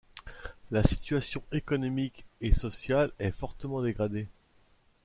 La situation économique et sociale est fortement dégradée.